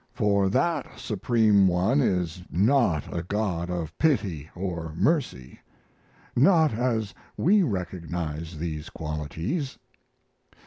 For that Supreme One is not a God of pity or mercy not as we recognize these qualities.